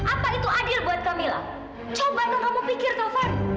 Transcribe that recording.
apa itu adil buat kamila